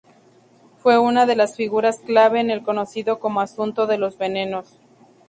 Fue una de las figuras clave en el conocido como asunto de los venenos.